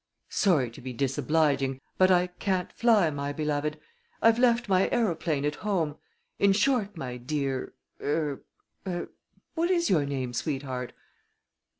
"Sorry to be disobliging, but I can't fly, my beloved. I've left my aeroplane at home. In short, my dear er er what is your name, sweetheart?"